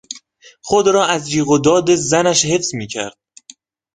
خود را از جیغ و داد زنش حفظ میکرد.